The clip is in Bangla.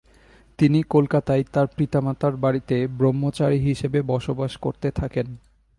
তিনি কলকাতায় তাঁর পিতামাতার বাড়িতে ব্রহ্মচারী হিসাবে বসবাস করতে থাকেন।